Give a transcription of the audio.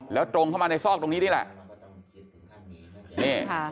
แล้วตรงเข้ามาในซอกตรงนี้นี่แหละ